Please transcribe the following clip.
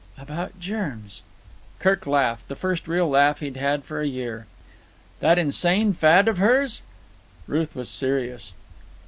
"About germs." Kirk laughed, the first real laugh he had had for a year. "That insane fad of hers!" Ruth was serious.